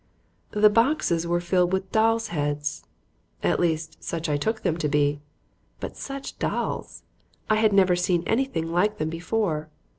The boxes were filled with dolls' heads; at least, such I took them to be. But such dolls! I had never seen anything like them before.